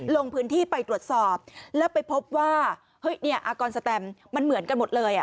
ลงพื้นที่ไปตรวจสอบแล้วไปพบว่าเฮ้ยเนี่ยอากรสแตมมันเหมือนกันหมดเลย